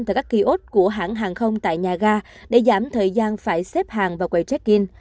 tại các kiosk của hãng hàng không tại nhà ga để giảm thời gian phải xếp hàng vào quầy check in